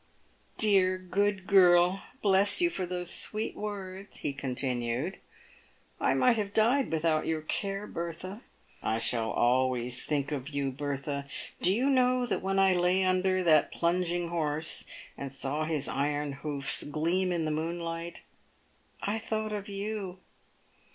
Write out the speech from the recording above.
"Dear, good girl! Bless you for those sweet words!" he con tinued. " I might have died without your care, Bertha. I shall always think of you, Bertha. Do you know that, when I lay under that plunging horse, and saw his iron hoofs gleam in the moonlight, I thought of you.